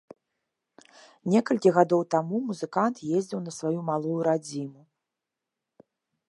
Некалькі гадоў таму музыкант ездзіў на сваю малую радзіму.